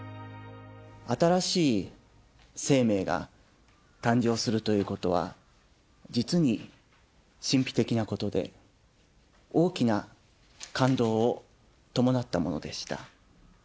新しい生命が誕生するということは、実に神秘的なことで、大きな感動を伴ったものでした。